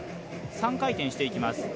３回転していきます。